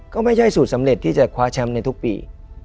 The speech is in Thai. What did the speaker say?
ก็ไม่ใช่สูตรสำเร็จที่จะคว้าแชมป์ในทุกปี